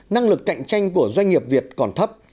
năng lực cạnh tranh của doanh nghiệp việt còn thấp